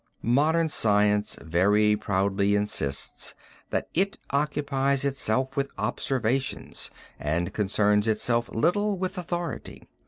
Modern science very proudly insists that it occupies itself with observations and concerns itself little with authority.